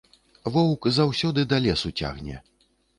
Воўк заўсёды да лесу цягне.